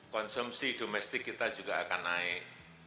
konsumsi domestik kita juga akan naik